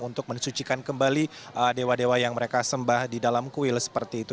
untuk mensucikan kembali dewa dewa yang mereka sembah di dalam kuil seperti itu